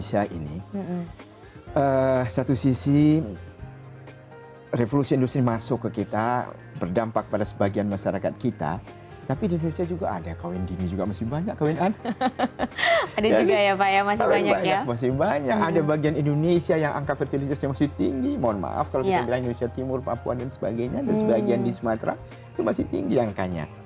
sumatera itu masih tinggi angkanya